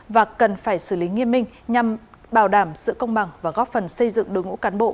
và cần phải xử lý nghiêm minh nhằm bảo đảm sự công bằng và góp phần xây dựng đối ngũ cán bộ